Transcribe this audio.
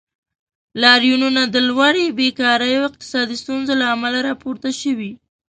لاریونونه د لوړې بیکارۍ او اقتصادي ستونزو له امله راپورته شوي.